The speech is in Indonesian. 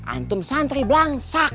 antum santri belangsak